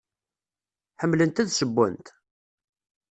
Ḥemmlent ad ssewwent?